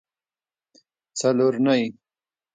څلرنۍ